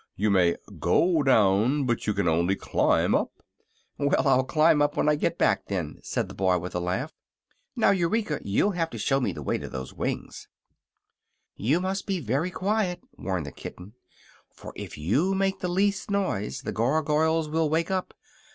"You may go down, but you can only climb up." "Well, I'll climb up when I get back, then," said the boy, with a laugh. "Now, Eureka, you'll have to show me the way to those wings." "You must be very quiet," warned the kitten; "for if you make the least noise the Gargoyles will wake up.